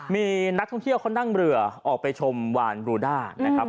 มีนักท่องเที่ยวเขานั่งเรือออกไปชมวานบรูด้านะครับ